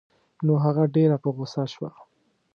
نو هغه ډېره په غوسه شوه.